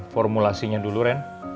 formulasinya dulu ren